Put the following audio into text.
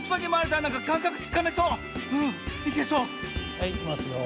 はいいきますよ。